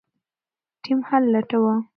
ټیم حل لټاوه.